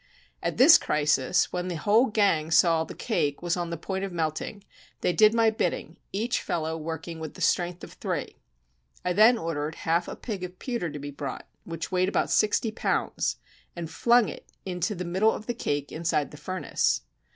At this crisis, when the whole gang saw the cake was on the point of melting, they did my bidding, each fellow working with the strength of three. I then ordered half a pig of pewter to be brought, which weighed about sixty pounds, and flung it into the middle of the cake inside the furnace.